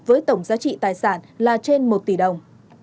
với tổng giá trị tài sản là trên một tỷ đồng